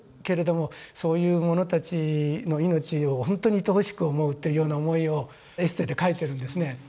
けれどもそういう者たちの命をほんとにいとおしく思うというような思いをエッセーで書いてるんですね。